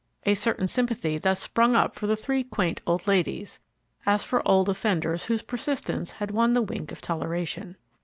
A certain sympathy thus sprung up for the three quaint old ladies, as for old offenders whose persistence had won the wink of toleration.